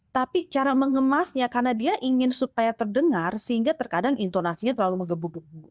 tapi cara mengemasnya karena dia ingin supaya terdengar sehingga terkadang intonasinya terlalu megebu gebuk